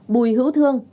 chín bùi hữu thương